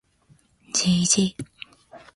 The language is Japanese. gg